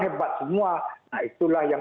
hebat semua nah itulah yang